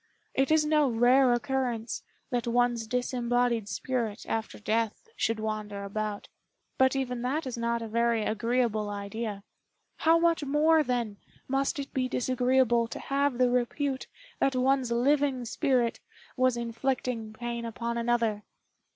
It is no rare occurrence that one's disembodied spirit, after death, should wander about; but even that is not a very agreeable idea. How much more, then, must it be disagreeable to have the repute that one's living spirit was inflicting pain upon another!"